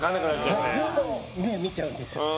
ずっと目見ちゃうんですよ。